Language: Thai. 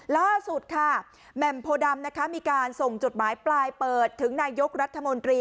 ล่าสุดค่ะแหม่มโพดำนะคะมีการส่งจดหมายปลายเปิดถึงนายกรัฐมนตรี